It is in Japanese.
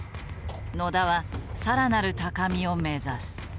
野田は更なる高みを目指す。